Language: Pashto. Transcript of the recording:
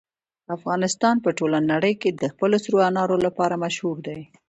افغانستان په ټوله نړۍ کې د خپلو سرو انارو لپاره مشهور دی.